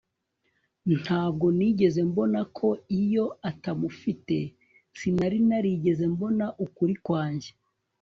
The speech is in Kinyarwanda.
ntabwo nigeze mbona ko iyo atamufite sinari narigeze mbona ukuri kwanjye